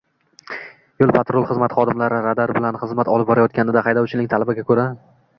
Yo'l patrul xizmati xodimi radar bilan xizmat olib borayotganida haydovchining talabiga ko‘ra